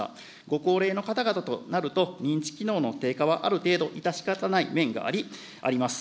ご高齢の方々となると、認知機能の低下はある程度、致し方ない面があります。